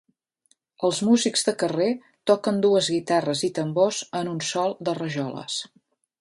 Els músics de carrer toquen dues guitarres i tambors en un sòl de rajoles.